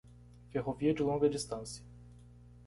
Ferrovia de longa distância